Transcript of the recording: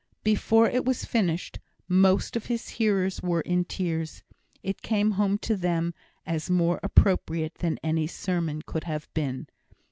Before it was finished, most of his hearers were in tears. It came home to them as more appropriate than any sermon could have been.